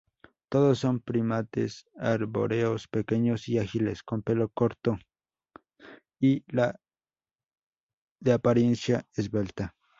Todos son primates arbóreos, pequeños y ágiles, con pelo corto y de apariencia esbelta.